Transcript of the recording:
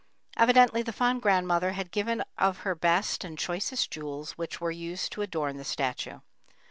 Evidently the fond grandmother had given of her best and choicest jewels which were used to adorn the statue.